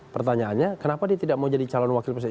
pertanyaannya kenapa dia tidak mau jadi calon wakil presiden